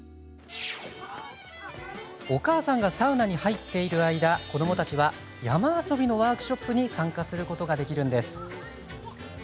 お母さんがサウナに入っている間子どもたちは山遊びのワークショップに参加することができるんです。